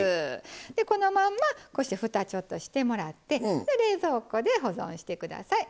でこのまんまこうしてふたちょっとしてもらって冷蔵庫で保存して下さい。